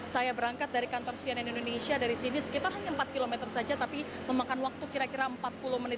saya berangkat dari kantor cnn indonesia dari sini sekitar hanya empat km saja tapi memakan waktu kira kira empat puluh menit